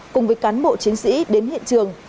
cùng với cán bộ chiến sĩ đến hiện trường